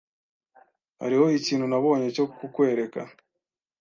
Hariho ikintu nabonye cyo kukwereka.